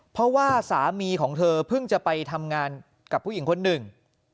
เพราะว่าสามีของเธอเพิ่งจะไปทำงานกับผู้หญิงคนหนึ่ง